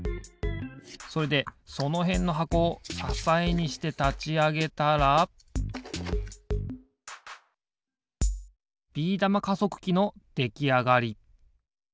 それでそのへんのはこをささえにしてたちあげたらできあがり。